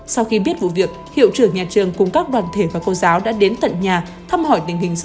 sau khi biết vụ việc hiệu trưởng nhà trường cùng các đoàn thể và cô giáo đã đến tận nhà thăm hỏi tình hình gia